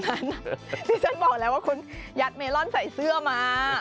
นี่ฉันบอกแล้วว่าคุณยัดเมลอนใส่เสื้อมา